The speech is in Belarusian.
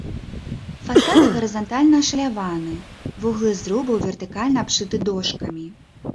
Фасады гарызантальна ашаляваны, вуглы зрубаў вертыкальна абшыты дошкамі.